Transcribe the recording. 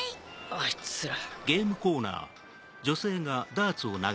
あいつら。